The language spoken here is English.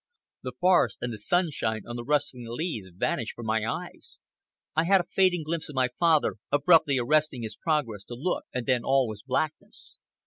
The forest and the sunshine on the rustling leaves vanished from my eyes. I had a fading glimpse of my father abruptly arresting his progress to look, and then all was blackness.